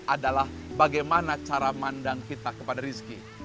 adalah bagaimana cara mandang kita berhati hati dengan allah swt